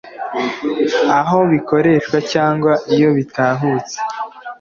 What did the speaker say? aho bikoreshwa cyangwa iyo bitahutse